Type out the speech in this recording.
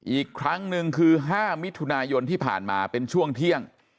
อีกครั้งหนึ่งคือ๕มิถุนายนที่ผ่านมาเป็นช่วงเที่ยง